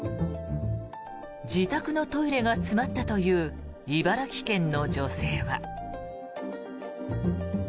自宅のトイレが詰まったという茨城県の女性は。